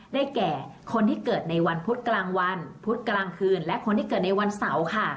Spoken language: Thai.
แก่คนที่เกิดในวันพุธกลางวันพุธกลางคืนและคนที่เกิดในวันเสาร์ค่ะ